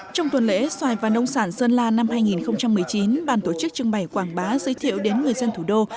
trong tuần lễ xoài và nông sản sơn la năm hai nghìn một mươi chín bàn tổ chức trưng bày quảng bá giới thiệu đến người dân thủ đô